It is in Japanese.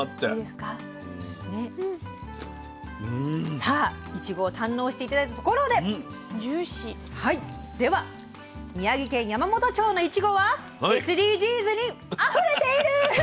さあいちごを堪能して頂いたところではいでは宮城県山元町のいちごはＳＤＧｓにあふれている！